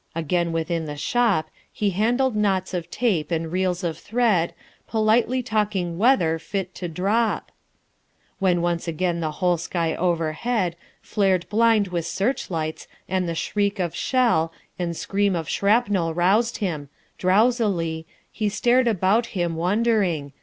Again within the shop He handled knots of tape and reels of thread, Politely talking weather, fit to drop.... When once again the whole sky overhead Flared blind with searchlights, and the shriek of shell And scream of shrapnel roused him. Drowsily He stared about him, wondering.